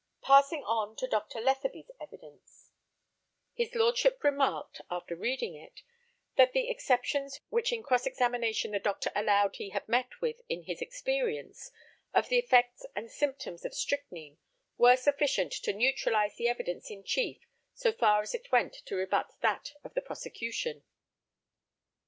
Passing to Dr. Letheby's evidence his lordship remarked, after reading it, that the exceptions which in cross examination the doctor allowed he had met with in his experience, of the effects and symptoms of strychnine, were sufficient to neutralise the evidence in chief so far as it went to rebut that of the prosecution.